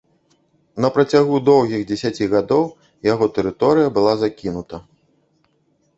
На працягу доўгіх дзесяці гадоў яго тэрыторыя была закінута.